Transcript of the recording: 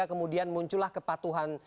kemudian muncullah kepatuhan